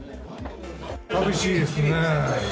さみしいですね。